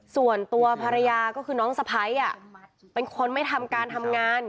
ส่วนตัวภรรยาก็คือน้องสะพ้ายเป็นคนไม่ทำการทำงาน